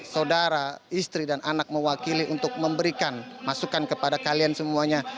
saudara istri dan anak mewakili untuk memberikan masukan kepada kalian semuanya